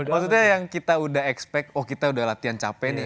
maksudnya yang kita udah expect oh kita udah latihan capek nih